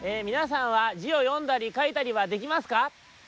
みなさんはじをよんだりかいたりはできますか？